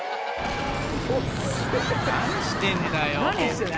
何してんだよ。